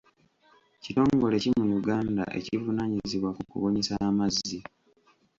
Kitongole ki mu Uganda ekivunaanyizibwa ku kubunyisa amazzi?